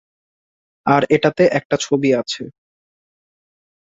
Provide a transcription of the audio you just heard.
আর এটাতে একটা ছবি আছে।